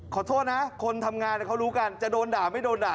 ขอโทษนะคนทำงานเขารู้กันจะโดนด่าไม่โดนด่า